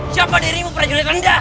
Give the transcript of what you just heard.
siapa dirimu prajurit anda